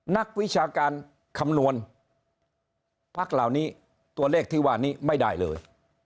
นักวิชาการคำนวณพักเหล่านี้ตัวเลขที่ว่านี้ไม่ได้เลย